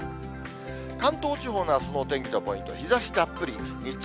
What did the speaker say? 関東地方のあすのお天気のポイント、日ざしたっぷり、日中、